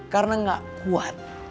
karena gak kuat